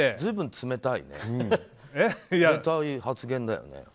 冷たい発言だよね。